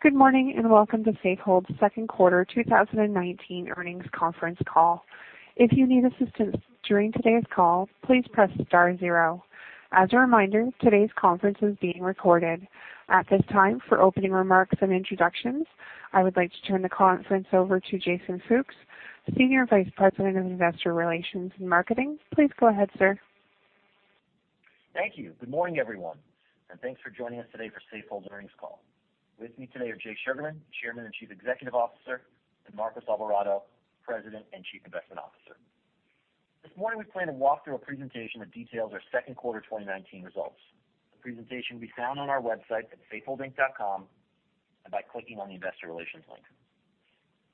Good morning, and welcome to Safehold's second quarter 2019 earnings conference call. If you need assistance during today's call, please press star zero. As a reminder, today's conference is being recorded. At this time, for opening remarks and introductions, I would like to turn the conference over to Jason Fooks, Senior Vice President of Investor Relations and Marketing. Please go ahead, sir. Thank you. Good morning, everyone, and thanks for joining us today for Safehold's earnings call. With me today are Jay Sugarman, Chairman and Chief Executive Officer, and Marcos Alvarado, President and Chief Investment Officer. This morning we plan to walk through a presentation that details our second quarter 2019 results. The presentation can be found on our website at safeholdinc.com and by clicking on the investor relations link.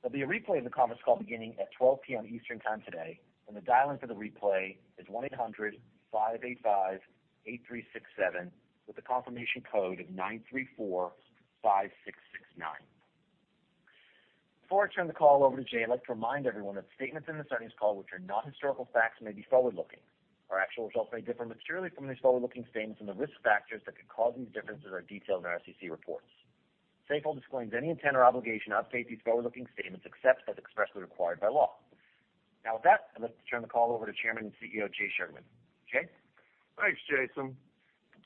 There'll be a replay of the conference call beginning at 12:00 PM Eastern Time today, and the dial-in for the replay is 1-800-585-8367 with a confirmation code of 9345669. Before I turn the call over to Jay, I'd like to remind everyone that statements in this earnings call which are not historical facts may be forward-looking. Our actual results may differ materially from these forward-looking statements, and the risk factors that could cause these differences are detailed in our SEC reports. Safehold disclaims any intent or obligation to update these forward-looking statements except as expressly required by law. With that, I'd like to turn the call over to Chairman and CEO, Jay Sugarman. Jay? Thanks, Jason.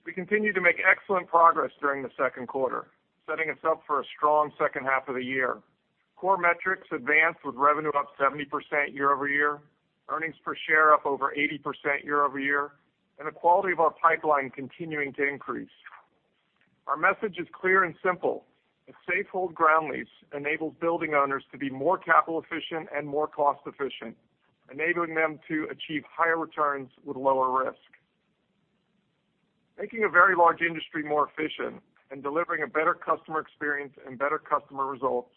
We continued to make excellent progress during the second quarter, setting us up for a strong second half of the year. Core metrics advanced with revenue up 70% year-over-year, earnings per share up over 80% year-over-year, and the quality of our pipeline continuing to increase. Our message is clear and simple. A Safehold ground lease enables building owners to be more capital efficient and more cost efficient, enabling them to achieve higher returns with lower risk. Making a very large industry more efficient and delivering a better customer experience and better customer results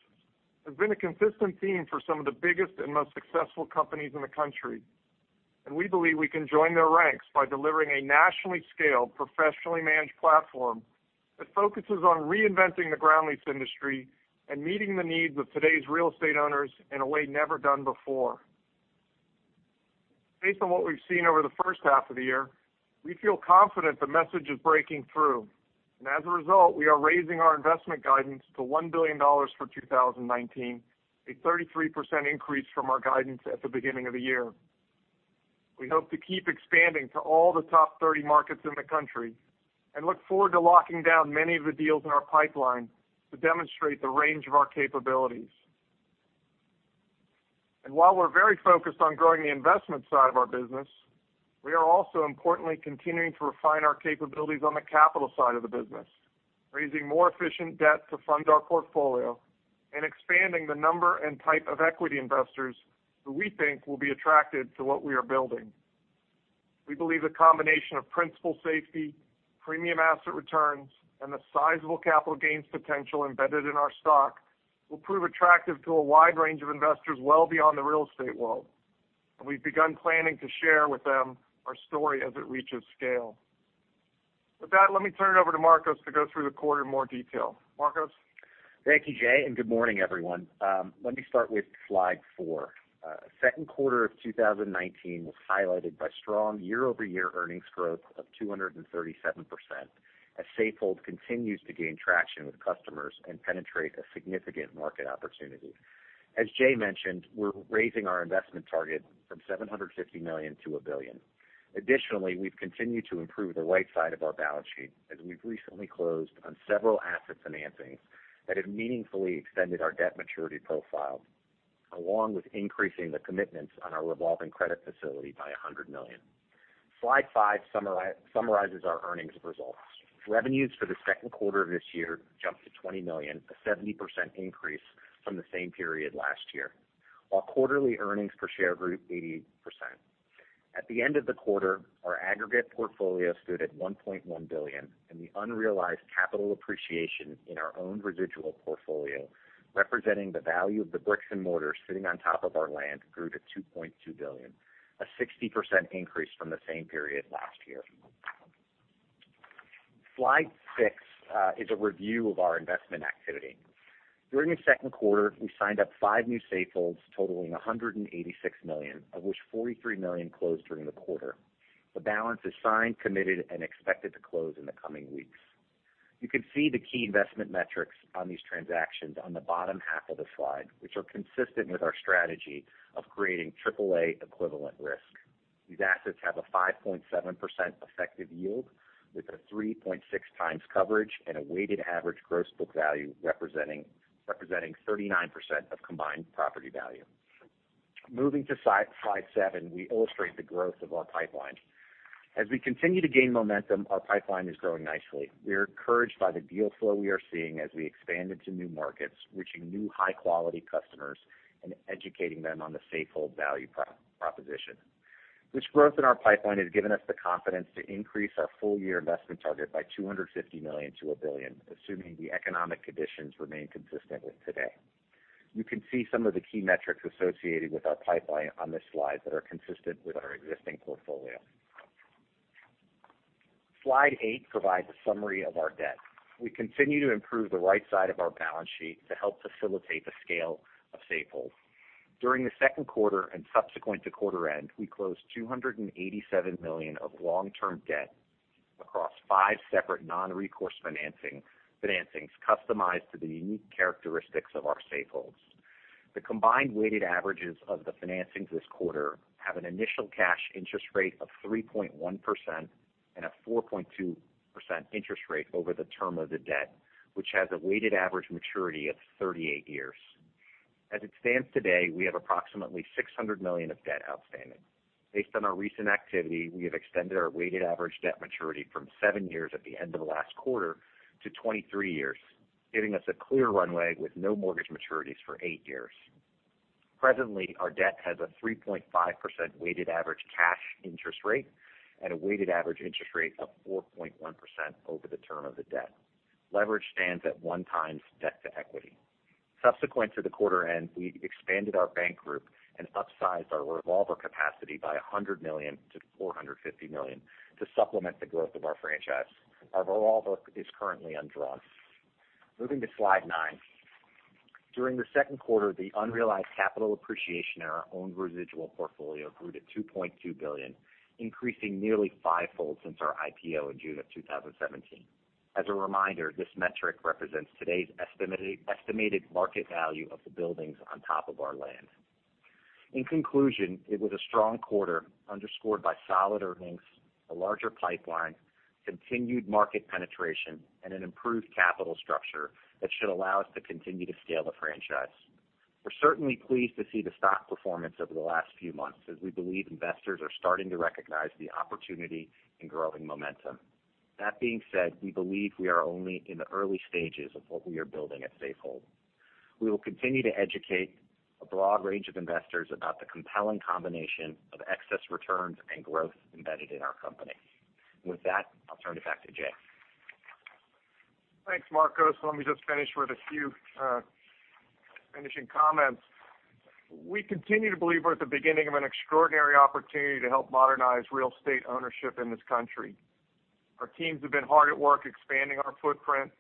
has been a consistent theme for some of the biggest and most successful companies in the country, and we believe we can join their ranks by delivering a nationally scaled, professionally managed platform that focuses on reinventing the ground lease industry and meeting the needs of today's real estate owners in a way never done before. Based on what we've seen over the first half of the year, we feel confident the message is breaking through. As a result, we are raising our investment guidance to $1 billion for 2019, a 33% increase from our guidance at the beginning of the year. We hope to keep expanding to all the top 30 markets in the country and look forward to locking down many of the deals in our pipeline to demonstrate the range of our capabilities. While we're very focused on growing the investment side of our business, we are also importantly continuing to refine our capabilities on the capital side of the business, raising more efficient debt to fund our portfolio and expanding the number and type of equity investors who we think will be attracted to what we are building. We believe the combination of principal safety, premium asset returns, and the sizable capital gains potential embedded in our stock will prove attractive to a wide range of investors well beyond the real estate world. We've begun planning to share with them our story as it reaches scale. With that, let me turn it over to Marcos to go through the quarter in more detail. Marcos? Thank you, Jay, and good morning, everyone. Let me start with slide four. Second quarter of 2019 was highlighted by strong year-over-year earnings growth of 237% as Safehold continues to gain traction with customers and penetrate a significant market opportunity. As Jay mentioned, we're raising our investment target from $750 million to $1 billion. Additionally, we've continued to improve the right side of our balance sheet as we've recently closed on several asset financings that have meaningfully extended our debt maturity profile, along with increasing the commitments on our revolving credit facility by $100 million. Slide five summarizes our earnings results. Revenues for the second quarter of this year jumped to $20 million, a 70% increase from the same period last year, while quarterly earnings per share grew 80%. At the end of the quarter, our aggregate portfolio stood at $1.1 billion, and the unrealized capital appreciation in our own residual portfolio, representing the value of the bricks and mortar sitting on top of our land, grew to $2.2 billion, a 60% increase from the same period last year. Slide six is a review of our investment activity. During the second quarter, we signed up five new Safeholds totaling $186 million, of which $43 million closed during the quarter. The balance is signed, committed, and expected to close in the coming weeks. You can see the key investment metrics on these transactions on the bottom half of the slide, which are consistent with our strategy of creating AAA equivalent risk. These assets have a 5.7% effective yield with a 3.6 times coverage and a weighted average gross book value representing 39% of combined property value. Moving to slide seven, we illustrate the growth of our pipeline. As we continue to gain momentum, our pipeline is growing nicely. We are encouraged by the deal flow we are seeing as we expand into new markets, reaching new high-quality customers, and educating them on the Safehold value proposition. This growth in our pipeline has given us the confidence to increase our full-year investment target by $250 million to $1 billion, assuming the economic conditions remain consistent with today. You can see some of the key metrics associated with our pipeline on this slide that are consistent with our existing portfolio. Slide eight provides a summary of our debt. We continue to improve the right side of our balance sheet to help facilitate the scale of Safehold. During the second quarter and subsequent to quarter end, we closed $287 million of long-term debt across five separate non-recourse financings customized to the unique characteristics of our safeholds. The combined weighted averages of the financings this quarter have an initial cash interest rate of 3.1% and a 4.2% interest rate over the term of the debt, which has a weighted average maturity of 38 years. As it stands today, we have approximately $600 million of debt outstanding. Based on our recent activity, we have extended our weighted average debt maturity from seven years at the end of last quarter to 23 years, giving us a clear runway with no mortgage maturities for eight years. Presently, our debt has a 3.5% weighted average cash interest rate and a weighted average interest rate of 4.1% over the term of the debt. Leverage stands at one times debt to equity. Subsequent to the quarter end, we expanded our bank group and upsized our revolver capacity by $100 million to $450 million to supplement the growth of our franchise. Our revolver is currently undrawn. Moving to slide nine. During the second quarter, the unrealized capital appreciation in our owned residual portfolio grew to $2.2 billion, increasing nearly fivefold since our IPO in June of 2017. As a reminder, this metric represents today's estimated market value of the buildings on top of our land. In conclusion, it was a strong quarter underscored by solid earnings, a larger pipeline, continued market penetration, and an improved capital structure that should allow us to continue to scale the franchise. We're certainly pleased to see the stock performance over the last few months, as we believe investors are starting to recognize the opportunity and growing momentum. That being said, we believe we are only in the early stages of what we are building at Safehold. We will continue to educate a broad range of investors about the compelling combination of excess returns and growth embedded in our company. With that, I'll turn it back to Jay. Thanks, Marcos. Let me just finish with a few finishing comments. We continue to believe we're at the beginning of an extraordinary opportunity to help modernize real estate ownership in this country. Our teams have been hard at work expanding our footprint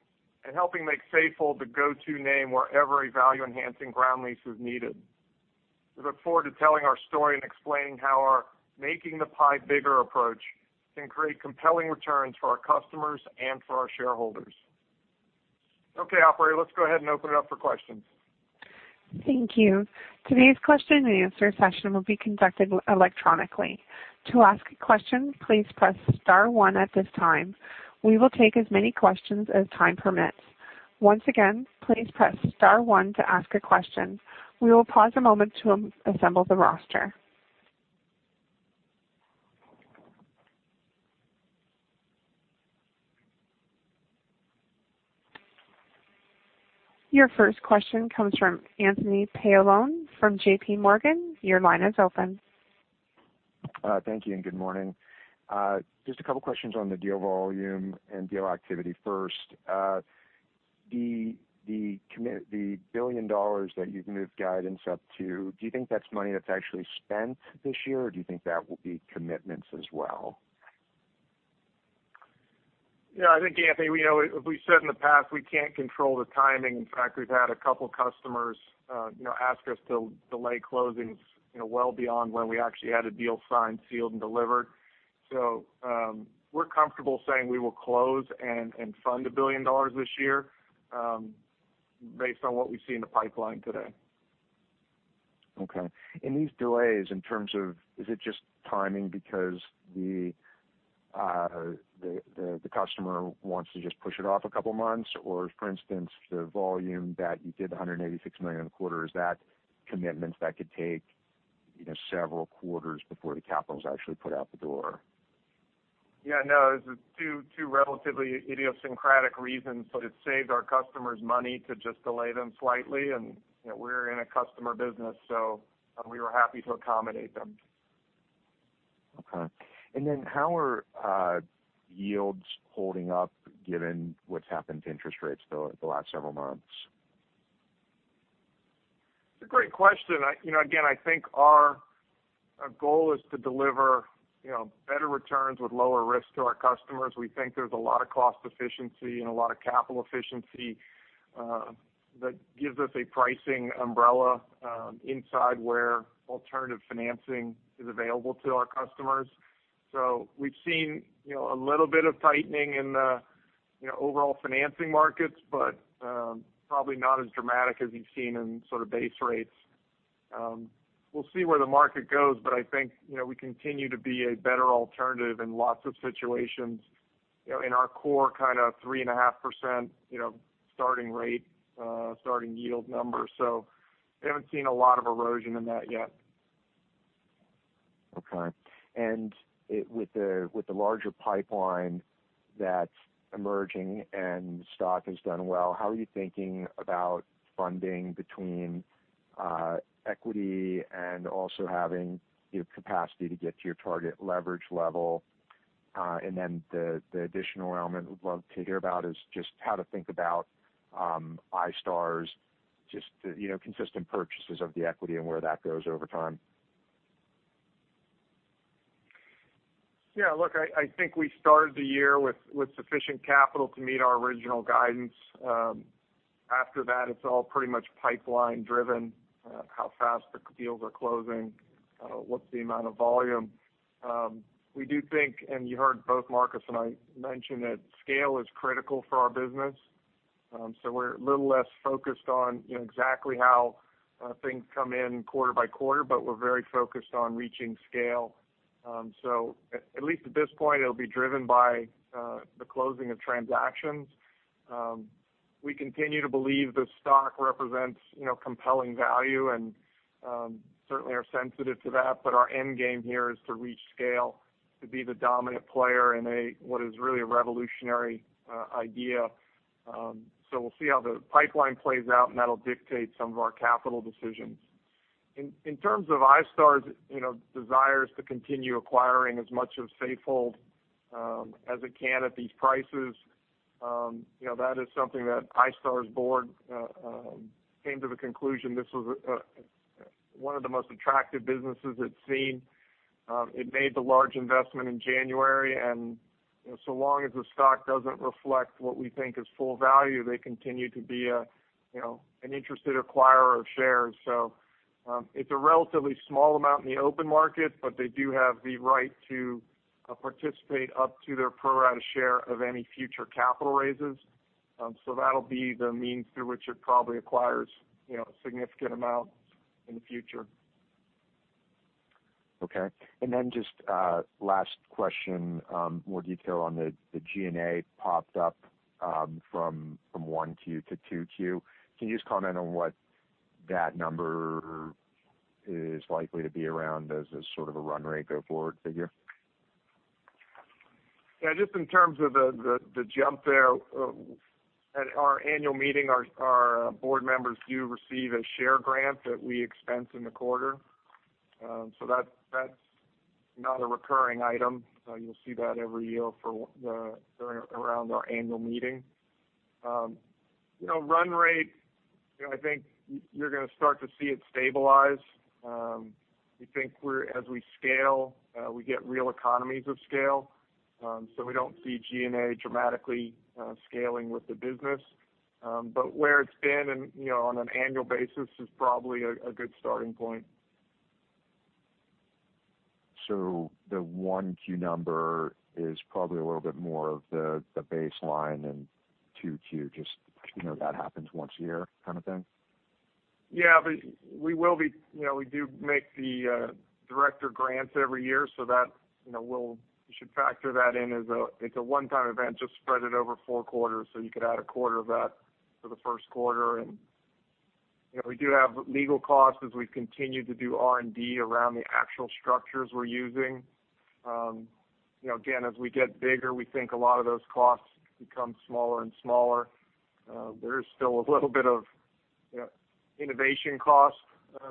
and helping make Safehold the go-to name wherever a value-enhancing ground lease is needed. We look forward to telling our story and explaining how our making-the-pie-bigger approach can create compelling returns for our customers and for our shareholders. Okay, operator, let's go ahead and open it up for questions. Thank you. Today's question-and-answer session will be conducted electronically. To ask a question, please press star one at this time. We will take as many questions as time permits. Once again, please press star one to ask a question. We will pause a moment to assemble the roster. Your first question comes from Anthony Paolone from JPMorgan. Your line is open. Thank you. Good morning. Just a couple questions on the deal volume and deal activity first. The $1 billion that you've moved guidance up to, do you think that's money that's actually spent this year, or do you think that will be commitments as well? I think, Anthony, as we said in the past, we can't control the timing. In fact, we've had a couple customers ask us to delay closings well beyond when we actually had a deal signed, sealed, and delivered. We're comfortable saying we will close and fund $1 billion this year based on what we see in the pipeline today. Okay. These delays in terms of, is it just timing because the customer wants to just push it off a couple of months? For instance, the volume that you did, $186 million in the quarter, is that commitments that could take several quarters before the capital's actually put out the door? Yeah, no. Those are two relatively idiosyncratic reasons, but it saved our customers money to just delay them slightly, and we're in a customer business, so we were happy to accommodate them. Okay. Then how are yields holding up given what's happened to interest rates the last several months? It's a great question. I think our goal is to deliver better returns with lower risk to our customers. We think there's a lot of cost efficiency and a lot of capital efficiency that gives us a pricing umbrella inside where alternative financing is available to our customers. We've seen a little bit of tightening in the overall financing markets, but probably not as dramatic as you've seen in sort of base rates. We'll see where the market goes, but I think we continue to be a better alternative in lots of situations in our core kind of 3.5% starting rate, starting yield number. We haven't seen a lot of erosion in that yet. Okay. With the larger pipeline that's emerging and the stock has done well, how are you thinking about funding between equity and also having the capacity to get to your target leverage level? The additional element we'd love to hear about is just how to think about iStar's consistent purchases of the equity and where that goes over time. Look, I think we started the year with sufficient capital to meet our original guidance. After that, it's all pretty much pipeline driven. How fast the deals are closing, what's the amount of volume. We do think, and you heard both Marcos and I mention that scale is critical for our business. We're a little less focused on exactly how things come in quarter by quarter, but we're very focused on reaching scale. At least at this point, it'll be driven by the closing of transactions. We continue to believe the stock represents compelling value and certainly are sensitive to that. Our end game here is to reach scale, to be the dominant player in what is really a revolutionary idea. We'll see how the pipeline plays out, and that'll dictate some of our capital decisions. In terms of iStar's desires to continue acquiring as much of Safehold as it can at these prices, that is something that iStar's board came to the conclusion this was one of the most attractive businesses it's seen. It made the large investment in January, so long as the stock doesn't reflect what we think is full value, they continue to be an interested acquirer of shares. It's a relatively small amount in the open market, but they do have the right to participate up to their pro rata share of any future capital raises. That'll be the means through which it probably acquires a significant amount in the future. Okay. Then just last question, more detail on the G&A popped up from one Q to two Q. Can you just comment on what that number is likely to be around as a sort of a run rate go forward figure? Just in terms of the jump there. At our annual meeting, our board members do receive a share grant that we expense in the quarter. That's not a recurring item. You'll see that every year around our annual meeting. Run rate, I think you're going to start to see it stabilize. We think as we scale, we get real economies of scale. We don't see G&A dramatically scaling with the business. Where it's been on an annual basis is probably a good starting point. The 1Q number is probably a little bit more of the baseline than 2Q, just that happens once a year kind of thing? Yeah. We do make the director grants every year, so you should factor that in as it's a one-time event, just spread it over 4 quarters, so you could add a quarter of that for the first quarter. We do have legal costs as we continue to do R&D around the actual structures we're using. As we get bigger, we think a lot of those costs become smaller and smaller. There is still a little bit of innovation cost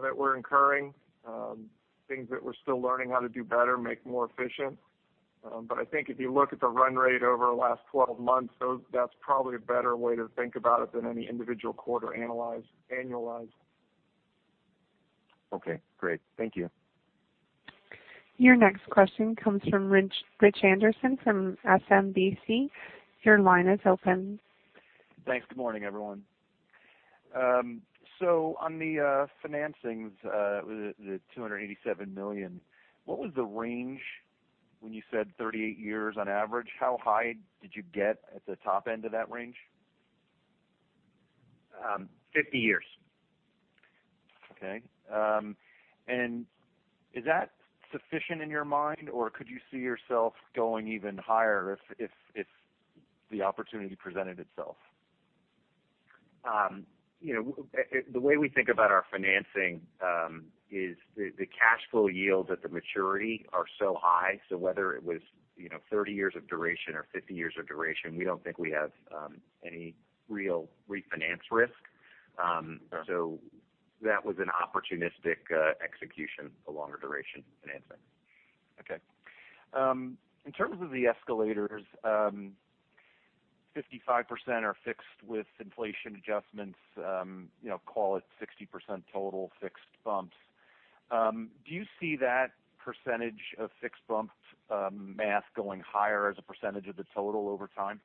that we're incurring, things that we're still learning how to do better, make more efficient. I think if you look at the run rate over the last 12 months, that's probably a better way to think about it than any individual quarter annualized. Okay, great. Thank you. Your next question comes from Rich Anderson from SMBC. Your line is open. Thanks. Good morning, everyone. On the financings the $287 million, what was the range when you said 38 years on average? How high did you get at the top end of that range? 50 years. Okay. Is that sufficient in your mind, or could you see yourself going even higher if the opportunity presented itself? The way we think about our financing is the cash flow yields at the maturity are so high. Whether it was 30 years of duration or 50 years of duration, we don't think we have any real refinance risk. Fair. That was an opportunistic execution, the longer duration financing. Okay. In terms of the escalators, 55% are fixed with inflation adjustments call it 60% total fixed bumps. Do you see that percentage of fixed bumps math going higher as a percentage of the total over time?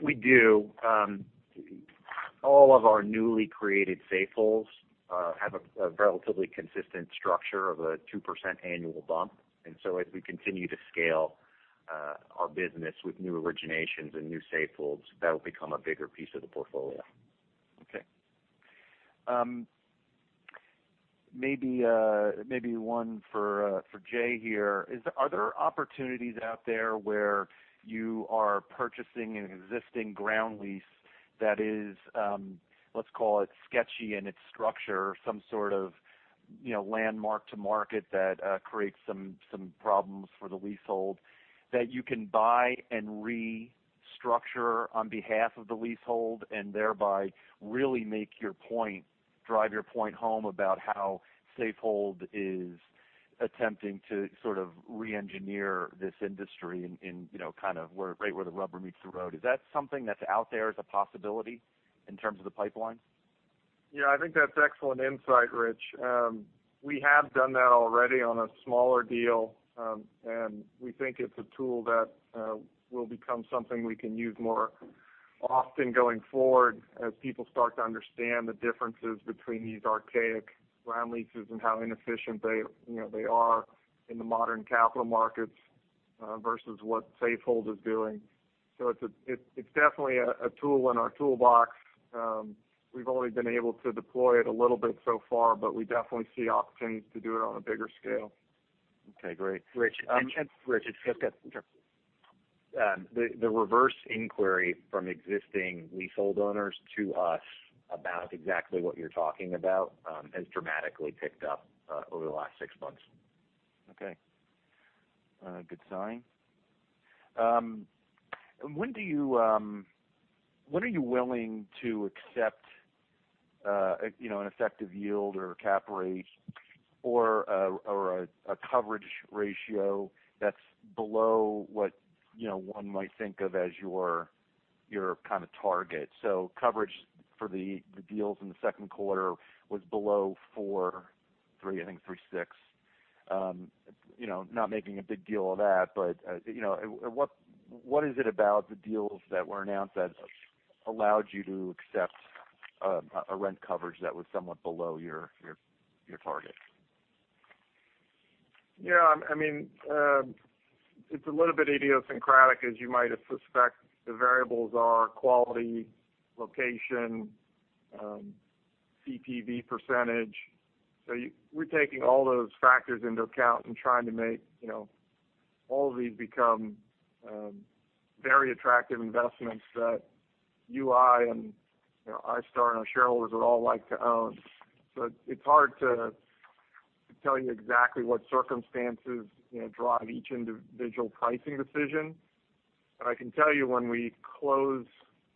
We do. All of our newly created Safeholds have a relatively consistent structure of a 2% annual bump, and so as we continue to scale our business with new originations and new Safeholds, that'll become a bigger piece of the portfolio. Okay. Maybe one for Jay here. Are there opportunities out there where you are purchasing an existing ground lease that is let's call it sketchy in its structure, some sort of landmark to market that creates some problems for the leasehold that you can buy and restructure on behalf of the leasehold and thereby really make your point, drive your point home about how Safehold is attempting to sort of re-engineer this industry in kind of right where the rubber meets the road? Is that something that's out there as a possibility in terms of the pipeline? Yeah, I think that's excellent insight, Rich. We have done that already on a smaller deal, and we think it's a tool that will become something we can use more often going forward as people start to understand the differences between these archaic ground leases and how inefficient they are in the modern capital markets versus what Safehold is doing. It's definitely a tool in our toolbox. We've only been able to deploy it a little bit so far, but we definitely see opportunities to do it on a bigger scale. Okay, great. Rich. It's. Rich, it's. [inaudible] The reverse inquiry from existing leasehold owners to us about exactly what you're talking about has dramatically picked up over the last six months. Okay. Good sign. When are you willing to accept an effective yield or cap rate or a coverage ratio that's below what one might think of as your target? Coverage for the deals in the second quarter was below, I think 3.6. Not making a big deal of that, what is it about the deals that were announced that allowed you to accept a rent coverage that was somewhat below your target? Yeah. It's a little bit idiosyncratic, as you might have suspect. The variables are quality, location, CPV%. We're taking all those factors into account and trying to make all of these become very attractive investments that you, I, and iStar, and our shareholders would all like to own. It's hard to tell you exactly what circumstances drive each individual pricing decision. I can tell you when we close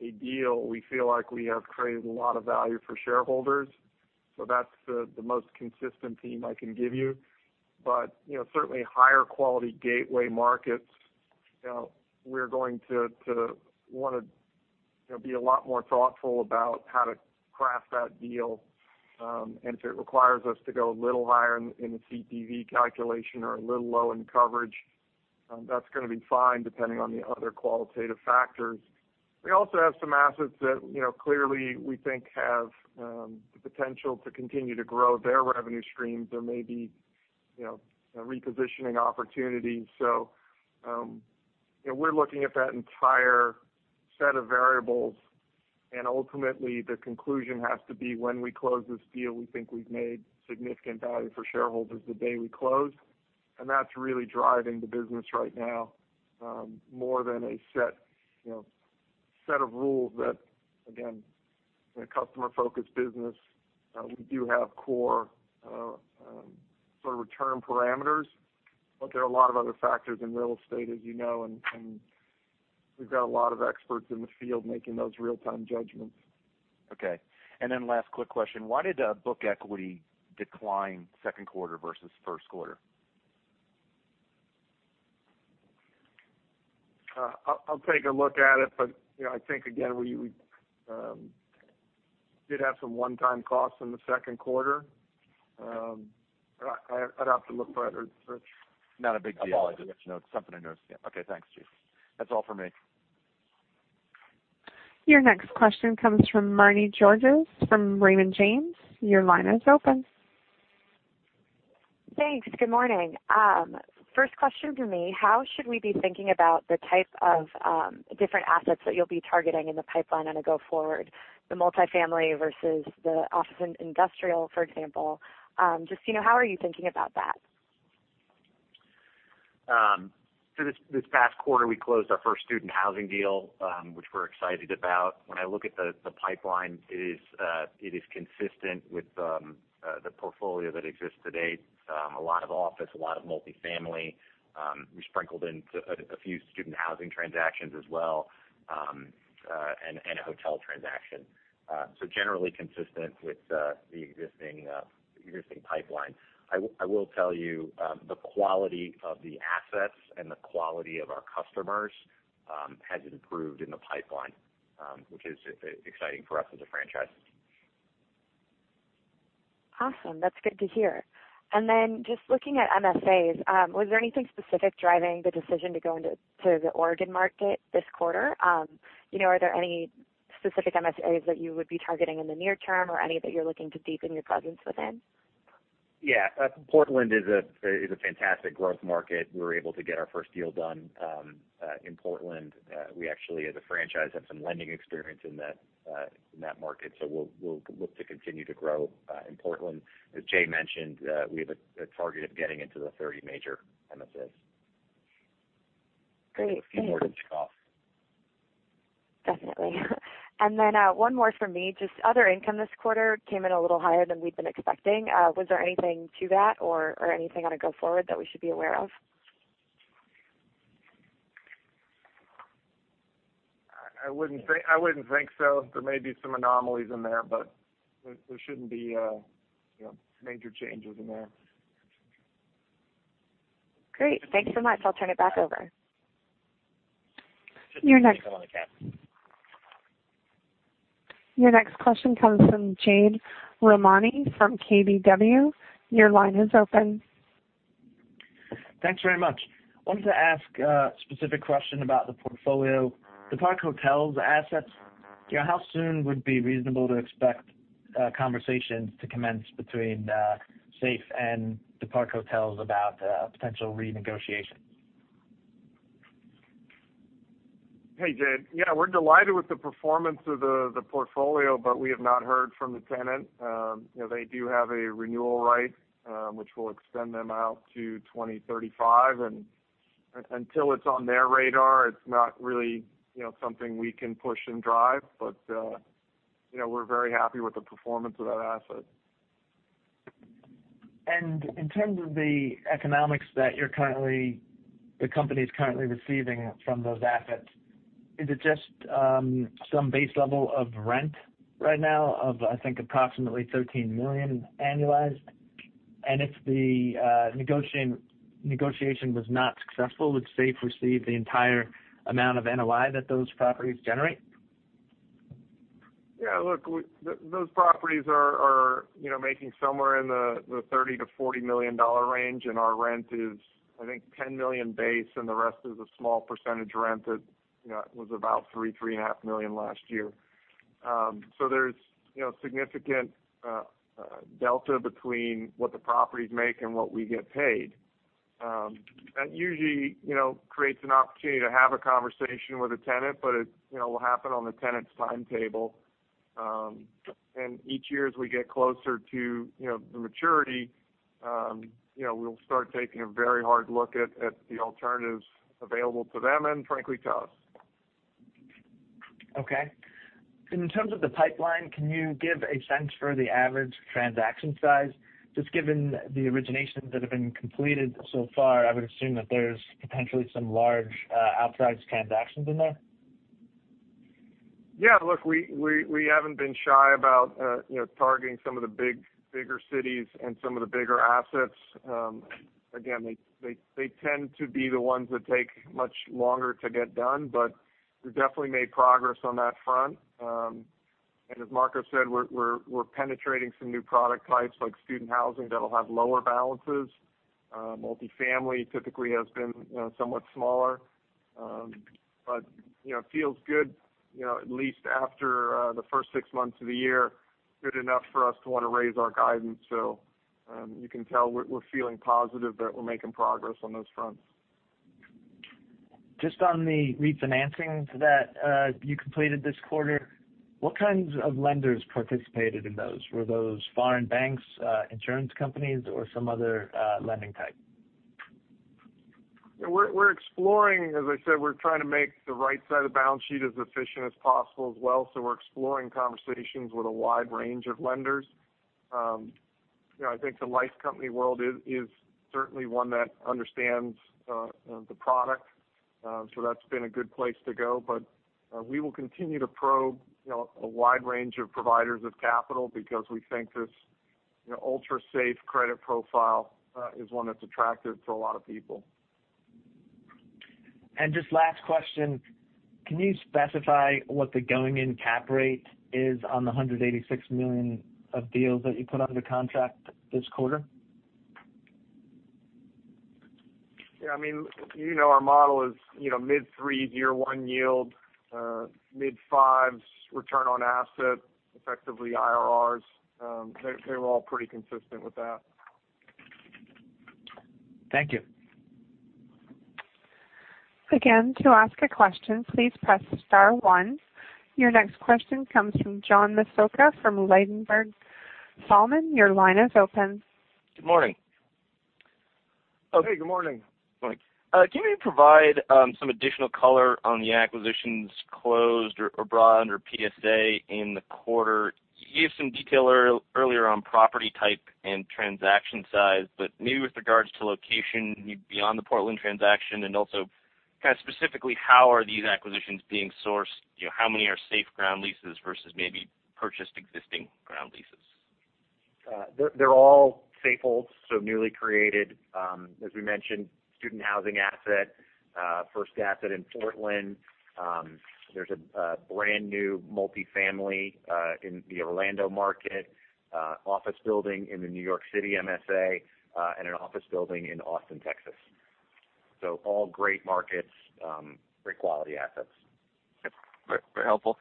a deal, we feel like we have created a lot of value for shareholders. That's the most consistent theme I can give you. Certainly higher quality gateway markets, we're going to want to be a lot more thoughtful about how to craft that deal. If it requires us to go a little higher in the CPV calculation or a little low in coverage, that's going to be fine depending on the other qualitative factors. We also have some assets that clearly we think have the potential to continue to grow their revenue streams. There may be repositioning opportunities. We're looking at that entire set of variables, and ultimately the conclusion has to be when we close this deal, we think we've made significant value for shareholders the day we close, and that's really driving the business right now. More than a set of rules that, again, in a customer-focused business, we do have core sort of return parameters, but there are a lot of other factors in real estate, as you know, and we've got a lot of experts in the field making those real-time judgments. Okay. Last quick question. Why did book equity decline second quarter versus first quarter? I'll take a look at it, but I think, again, we did have some one-time costs in the second quarter. I'd have to look further, Rich. Not a big deal. Apologies. Just something I noticed. Okay. Thanks, chief. That's all for me. Your next question comes from Marnie Georges from Raymond James. Your line is open. Thanks. Good morning. First question for me, how should we be thinking about the type of different assets that you'll be targeting in the pipeline on a go forward, the multifamily versus the office and industrial, for example? Just, how are you thinking about that? This past quarter, we closed our first student housing deal, which we're excited about. When I look at the pipeline, it is consistent with the portfolio that exists today. A lot of office, a lot of multifamily. We sprinkled in a few student housing transactions as well, and a hotel transaction. Generally consistent with the existing pipeline. I will tell you, the quality of the assets and the quality of our customers has improved in the pipeline, which is exciting for us as a franchise. Awesome. That's good to hear. Just looking at MSAs, was there anything specific driving the decision to go into the Oregon market this quarter? Are there any specific MSAs that you would be targeting in the near term or any that you're looking to deepen your presence within? Yeah. Portland is a fantastic growth market. We were able to get our first deal done in Portland. We actually, as a franchise, have some lending experience in that market. We'll look to continue to grow in Portland. As Jay mentioned, we have a target of getting into the 30 major MSAs. Great. A few more to check off. Definitely. One more from me, just other income this quarter came in a little higher than we'd been expecting. Was there anything to that or anything on a go forward that we should be aware of? I wouldn't think so. There may be some anomalies in there, but there shouldn't be major changes in there. Great. Thanks so much. I'll turn it back over. Your next question comes from Jade Rahmani from KBW. Your line is open. Thanks very much. Wanted to ask a specific question about the portfolio. The Park Hotels assets, how soon would be reasonable to expect conversations to commence between SAFE and the Park Hotels about potential renegotiation? Hey, Jade. Yeah, we're delighted with the performance of the portfolio. We have not heard from the tenant. They do have a renewal right, which will extend them out to 2035. Until it's on their radar, it's not really something we can push and drive. We're very happy with the performance of that asset. In terms of the economics that the company's currently receiving from those assets, is it just some base level of rent right now of, I think, approximately $13 million annualized? If the negotiation was not successful, would SAFE receive the entire amount of NOI that those properties generate? Yeah. Look, those properties are making somewhere in the $30 million-$40 million range, and our rent is, I think, $10 million base, and the rest is a small percentage rent that was about $3 million, $3.5 million last year. There's significant delta between what the properties make and what we get paid. That usually creates an opportunity to have a conversation with a tenant, but it will happen on the tenant's timetable. Each year, as we get closer to the maturity, we'll start taking a very hard look at the alternatives available to them and frankly, to us. Okay. In terms of the pipeline, can you give a sense for the average transaction size? Just given the originations that have been completed so far, I would assume that there's potentially some large outsized transactions in there. Yeah. Look, we haven't been shy about targeting some of the bigger cities and some of the bigger assets. Again, they tend to be the ones that take much longer to get done, but we've definitely made progress on that front. As Marcos said, we're penetrating some new product types like student housing that'll have lower balances. Multifamily typically has been somewhat smaller. Feels good, at least after the first six months of the year, good enough for us to want to raise our guidance. You can tell we're feeling positive that we're making progress on those fronts. Just on the refinancing that you completed this quarter, what kinds of lenders participated in those? Were those foreign banks, insurance companies, or some other lending type? We're exploring, as I said, we're trying to make the right side of the balance sheet as efficient as possible as well, so we're exploring conversations with a wide range of lenders. I think the life company world is certainly one that understands the product, so that's been a good place to go. We will continue to probe a wide range of providers of capital because we think this ultra-safe credit profile is one that's attractive to a lot of people. Just last question, can you specify what the going-in cap rate is on the $186 million of deals that you put under contract this quarter? Yeah. You know our model is mid threes year one yield, mid fives return on asset, effectively IRRs. They're all pretty consistent with that. Thank you. Again, to ask a question, please press star 1. Your next question comes from John Massocca from Ladenburg Thalmann. Your line is open. Good morning. Hey, good morning. Morning. Can you provide some additional color on the acquisitions closed or brought under PSA in the quarter? You gave some detail earlier on property type and transaction size, but maybe with regards to location beyond the Portland transaction, also specifically, how are these acquisitions being sourced? How many are SAFE ground leases versus maybe purchased existing ground leases? They're all Safeholds, so newly created. As we mentioned, student housing asset, first asset in Portland. There's a brand new multifamily in the Orlando market, office building in the New York City MSA, and an office building in Austin, Texas. All great markets, great quality assets. Yep. Very helpful.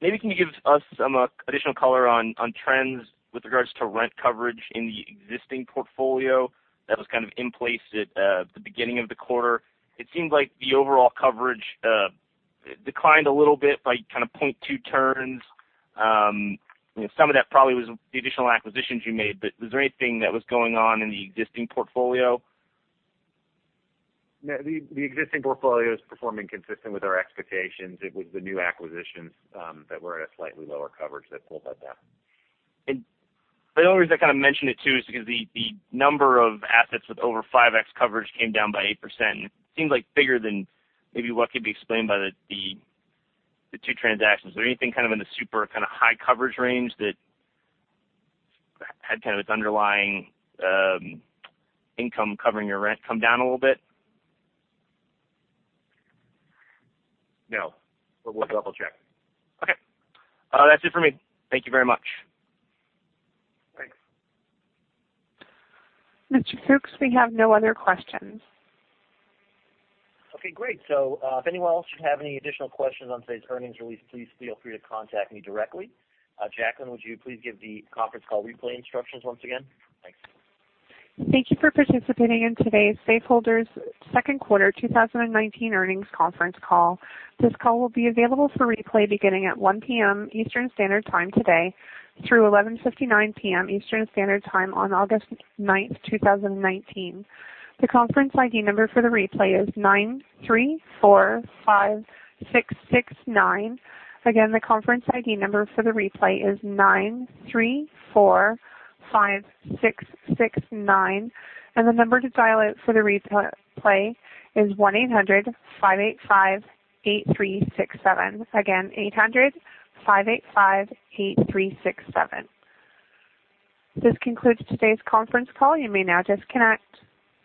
Maybe can you give us some additional color on trends with regards to rent coverage in the existing portfolio that was in place at the beginning of the quarter? It seemed like the overall coverage declined a little bit by 0.2 turns. Some of that probably was the additional acquisitions you made, was there anything that was going on in the existing portfolio? No. The existing portfolio is performing consistent with our expectations. It was the new acquisitions that were at a slightly lower coverage that pulled that down. The only reason I kind of mentioned it too, is because the number of assets with over 5x coverage came down by 8%. It seemed bigger than maybe what could be explained by the two transactions. Is there anything in the super high coverage range that had its underlying income covering your rent come down a little bit? No, but we'll double-check. Okay. That's it for me. Thank you very much. Thanks. Mr. Fooks, we have no other questions. Okay, great. If anyone else should have any additional questions on today's earnings release, please feel free to contact me directly. Jacqueline, would you please give the conference call replay instructions once again? Thanks. Thank you for participating in today's Safehold's second quarter 2019 earnings conference call. This call will be available for replay beginning at 1:00 P.M. Eastern Standard Time today through 11:59 P.M. Eastern Standard Time on August 9th, 2019. The conference ID number for the replay is 9345669. Again, the conference ID number for the replay is 9345669, and the number to dial out for the replay is 1-800-585-8367. Again, 800-585-8367. This concludes today's conference call. You may now disconnect.